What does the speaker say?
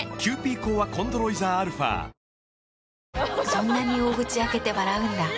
そんなに大口開けて笑うんだ。